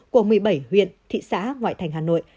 của một mươi bảy huyện thị xã ngoại thành hà nội